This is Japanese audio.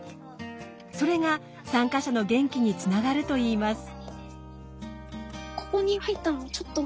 それが参加者の元気につながるといいます。